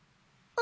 あ。